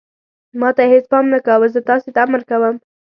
ما ته یې هېڅ پام نه کاوه، زه تاسې ته امر کوم.